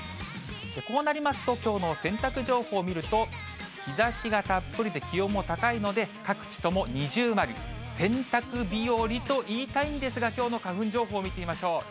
こうなりますと、きょうの洗濯情報を見ると、日ざしがたっぷりで気温も高いので、各地とも二重丸、洗濯日和と言いたいんですが、きょうの花粉情報見てみましょう。